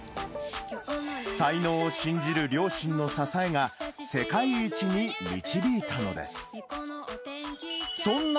才能を信じる両親の支えが、世界一に導いたのです。